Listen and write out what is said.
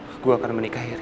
aku akan menikahi riri